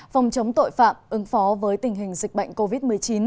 phòng chống tội phạm ứng phó với tình hình dịch bệnh covid một mươi chín